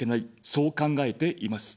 そう考えています。